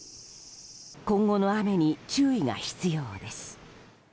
今後の雨に注意が必要です。